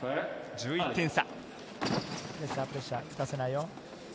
１２点差。